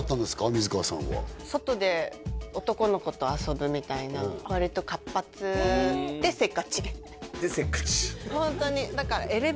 水川さんは外で男の子と遊ぶみたいな割と活発でせっかち「でせっかち」